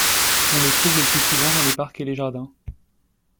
On le trouve le plus souvent dans les parcs et les jardins.